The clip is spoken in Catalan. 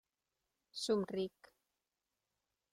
Somric.